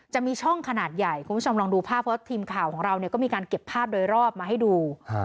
จะมีช่องขนาดใหญ่คุณผู้ชมลองดูภาพเพราะทีมข่าวของเราเนี่ยก็มีการเก็บภาพโดยรอบมาให้ดู